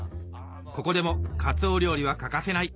ここでもカツオ料理は欠かせない